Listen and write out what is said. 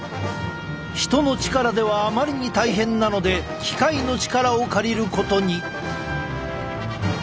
人の力ではあまりに大変なので機械の力を借りることに。